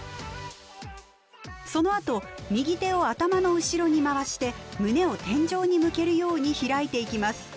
そのあと右手を頭の後ろに回して胸を天井に向けるように開いていきます。